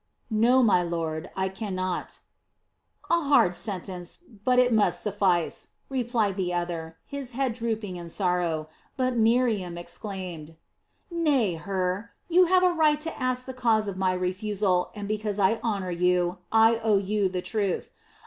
"No, my lord, I cannot." "A hard sentence, but it must suffice," replied the other, his head drooping in sorrow; but Miriam exclaimed: "Nay, Hur, you have a right to ask the cause of my refusal, and because I honor you, I owe you the truth.